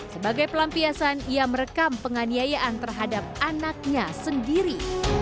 sebagai pelampiasan ia merekam penganiayaan terhadap anaknya sendiri